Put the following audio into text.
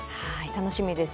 楽しみです。